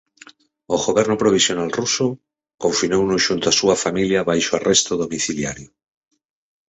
O goberno provisional ruso confinouno xunto á súa familia baixo arresto domiciliario.